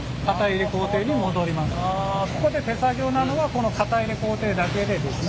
ここで手作業なのはこの型入れ工程だけでですね